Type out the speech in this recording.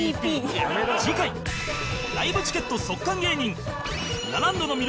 次回ライブチケット即完芸人